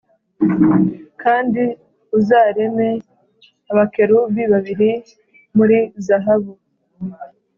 Kandi uzareme abakerubi babiri muri zahabu